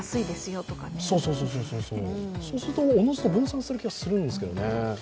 そうするとおのずと分散する気がするんですけどね。